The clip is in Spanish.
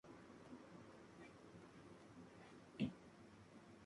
Asciende del trece hasta el tercer puesto de la tabla en una notable reacción.